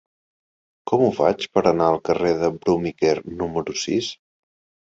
Com ho faig per anar al carrer de Bruniquer número sis?